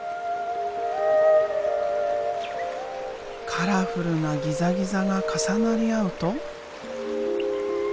カラフルなギザギザが重なり合うと。